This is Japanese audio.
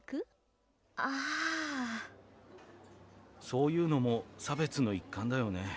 そういうのも差別の一環だよね。